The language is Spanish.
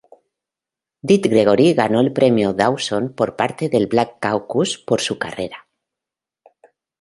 Dick Gregory ganó el premio Dawson por parte del Black Caucus por su carrera.